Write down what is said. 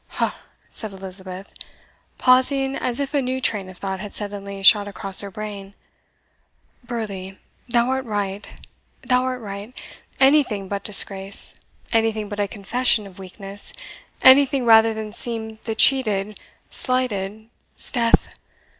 "Ha!" said Elizabeth, pausing as if a new train of thought had suddenly shot across her brain. "Burleigh, thou art right thou art right anything but disgrace anything but a confession of weakness anything rather than seem the cheated, slighted 'sdeath!